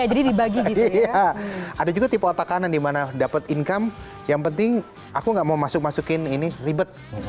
ada juga tipe otak kanan dimana dapat income yang penting aku gak mau masuk masukin ini ribet